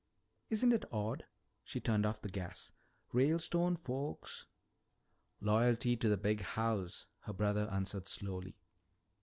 "Isn't it odd " she turned off the gas, "'Ralestone folks.'" "Loyalty to the Big House," her brother answered slowly.